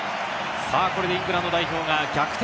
これでイングランド代表が逆転。